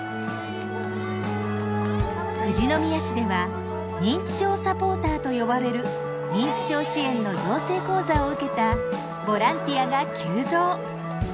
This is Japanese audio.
富士宮市では認知症サポーターと呼ばれる認知症支援の養成講座を受けたボランティアが急増。